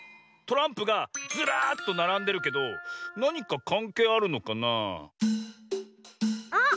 トランプがずらっとならんでるけどなにかかんけいあるのかなあ。